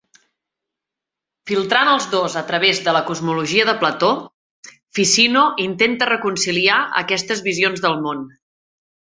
Filtrant els dos a través de la cosmologia de Plató, Ficino intenta reconciliar aquestes visions del món.